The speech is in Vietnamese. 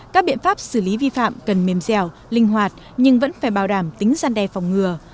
các biện pháp xử lý vi phạm cần mềm dẻo linh hoạt nhưng vẫn phải bảo đảm tính gian đe phòng ngừa